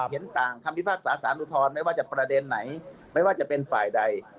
เห็นต่างคำพิพากษาสารอุทธรณ์ไม่ว่าจะประเด็นไหนไม่ว่าจะเป็นฝ่ายใด